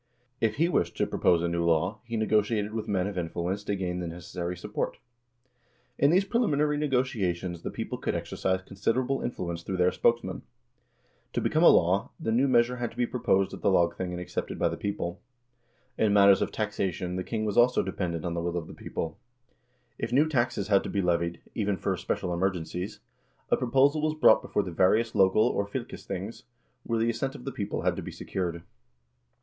If he wished to propose a new law, he negotiated with men of influence to gain the necessary support. In these preliminary negotiations the people could exercise considerable influence through their spokesmen. To become a law, the new measure had to be proposed at the lagthing and accepted by the people. In matters of taxation the king was also dependent on the will of the people. If new taxes had to be 1 T. H. Aschehoug, Stalsforfatningen i Norge og Danmark indtil 1814. KING OLAV ESTABLISHES CHRISTIANITY IN NORWAY 259 levied, even for special emergencies, a proposal was brought before the various local or fylkesthings, where the assent of the people had to be secured.